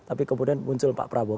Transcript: tapi kemudian muncul pak prabowo